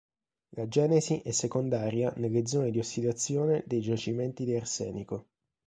La genesi è secondaria nelle zone di ossidazione dei giacimenti di arsenico.